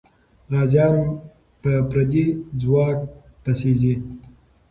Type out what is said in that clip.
غازيان په پردي ځواک پسې ځي.